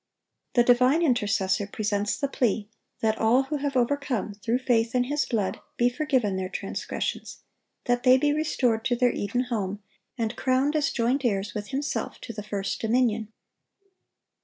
The divine Intercessor presents the plea that all who have overcome through faith in His blood be forgiven their transgressions, that they be restored to their Eden home, and crowned as joint heirs with Himself to the "first dominion."